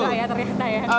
enggak ya ternyata ya